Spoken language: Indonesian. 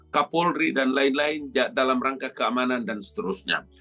kapolri dan lain lain dalam rangka keamanan dan seterusnya